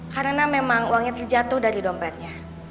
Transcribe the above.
karena memang uangnya terjatuh dari dompetnya